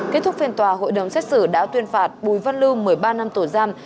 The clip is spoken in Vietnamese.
kết thúc phiên tòa hội đồng xét xử đã tuyên phạt bùi văn lưu một mươi ba năm tù giam